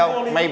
nó chạy đâu